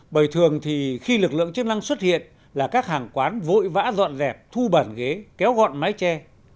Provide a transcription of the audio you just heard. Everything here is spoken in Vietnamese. bởi thường thì khi lực lượng chức năng xuất hiện là các hàng quán vội vã dọn dẹp thu bàn ghế kéo gọn mái che